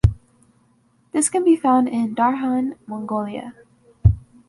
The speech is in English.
This can be found in Darhan, Mongolia.